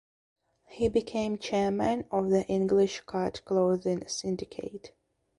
He became Chairman of the English Card Clothing Syndicate.